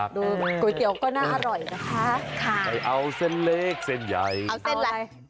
ใครเอาเส้นเล็กเส้นใหญ่เอาเส้นอะไร